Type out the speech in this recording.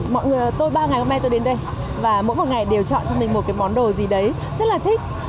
mọi người tôi ba ngày hôm nay tôi đến đây và mỗi một ngày đều chọn cho mình một cái món đồ gì đấy rất là thích